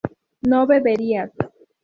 ¿no beberías?